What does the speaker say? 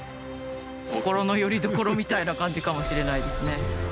心のよりどころみたいな感じかもしれないですね。